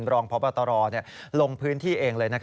รองพบตรลงพื้นที่เองเลย